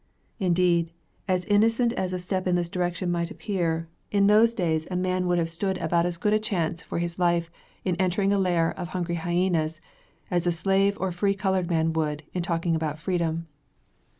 Indeed, as innocent as a step in this direction might appear, in those days a man would have stood about as good a chance for his life in entering a lair of hungry hyenas, as a slave or free colored man would, in talking about freedom.